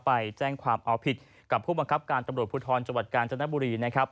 ไปแจ้งความเอาผิดกับผู้บังคับการตำรวจภูทรจังหวัดกาญจนบุรีนะครับ